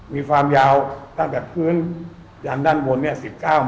มีความยาวตั้งแต่พื้นยันด้านบนเนี่ย